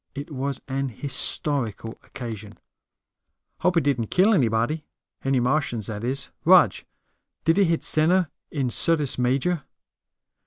It was an historical occasion. "Hope it didn't kill anybody. Any Martians, that is. Rog, did it hit dead center in Syrtis Major?"